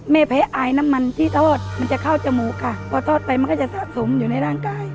แพ้อายน้ำมันที่ทอดมันจะเข้าจมูกค่ะพอทอดไปมันก็จะสะสมอยู่ในร่างกาย